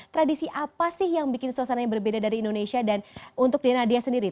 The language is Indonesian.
tradisi apa sih yang bikin suasana yang berbeda dari indonesia dan untuk di nadia sendiri